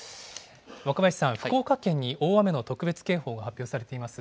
若林さん、福岡県に大雨の特別警報が発表されています。